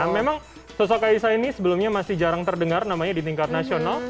memang sosok kaisa ini sebelumnya masih jarang terdengar namanya di tingkat nasional